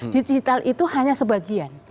digital itu hanya sebagian